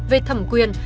về thẩm quyền